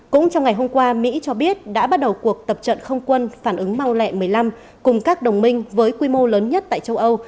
cũng trong ngày hôm qua mỹ cho biết đã bắt đầu cuộc tập trận không quân phản ứng mau lẹ một mươi năm cùng các đồng minh với quy mô lớn nhất tại châu âu